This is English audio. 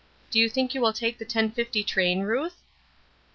"Do you think you will take the 10:50 train, Ruth?"